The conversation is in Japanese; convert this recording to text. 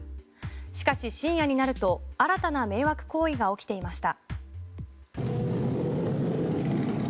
しかし深夜になると新たな迷惑行為が起きていました。